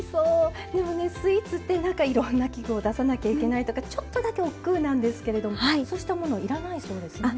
スイーツっていろんな器具を出さなきゃいけないとかちょっとだけおっくうなんですけどそうしたものいらないそうですね。